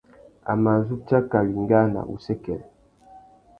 A mà zu tsaka wingāna wussêkêrê.